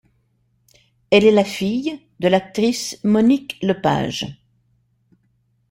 Elle est la fille de l'actrice Monique Lepage.